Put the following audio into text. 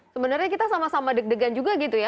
sebenarnya kita sama sama deg degan juga gitu ya